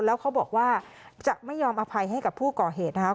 แล้วเขาบอกว่าจะไม่ยอมอภัยให้กับผู้ก่อเหตุนะครับ